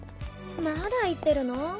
まだ言ってるの？